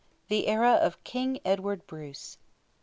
THE ERA OF KING EDWARD BRUCE.